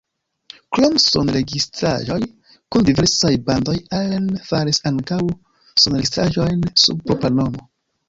Krom sonregistraĵoj kun diversaj bandoj Allen faris ankaŭ sonregistraĵojn sub propra nomo.